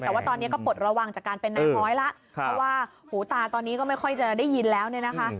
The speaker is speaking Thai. แต่ว่าตอนนี้ก็ปลดระวังจากการเป็นนายน้อยแล้วเพราะว่าหูตาตอนนี้ก็ไม่ค่อยจะได้ยินแล้วเนี่ยนะคะ